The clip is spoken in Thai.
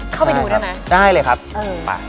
เข้าไปดูได้ไหมคะเอิ่มได้เลยครับ